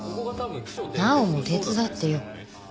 奈央も手伝ってよ。